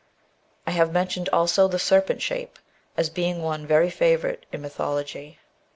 I have mentioned also the serpent shape, as being one very favourite in mythology.